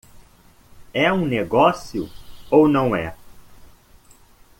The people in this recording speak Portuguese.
É um negócio ou não é?